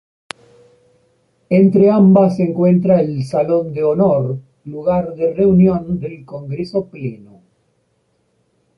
Entre ambas se encuentra el Salón de Honor, lugar de reunión del Congreso Pleno.